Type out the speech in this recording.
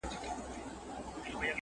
ما جوړ کړی دی دربار نوم مي امیر دی؛